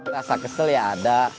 rasa kesel ya ada